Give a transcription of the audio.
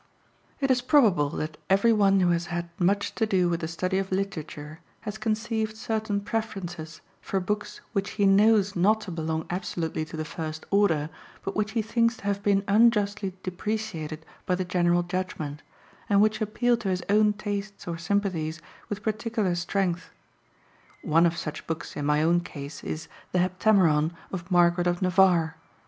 It is probable that every one who has had much to do with the study of literature has conceived certain preferences for books which he knows not to belong absolutely to the first order, but which he thinks to have been unjustly depreciated by the general judgment, and which appeal to his own tastes or sympathies with particular strength. One of such books in my own case is THE HEPTAMERON of Margaret of Navarre.